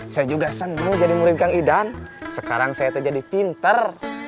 saya juga senang jadi murid kang idan sekarang saya itu jadi pinter